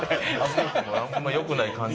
あんま良くない感じ。